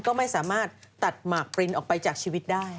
ก็ไม่สามารถตัดหมากปรินออกไปจากชีวิตได้